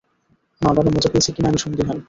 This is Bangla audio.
মা, বাবা মজা পেয়েছে কিনা আমি সন্ধিহান।